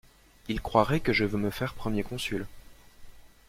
Ils croiraient que je veux me faire Premier Consul.